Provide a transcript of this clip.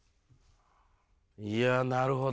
いやなるほど。